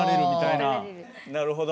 なるほど。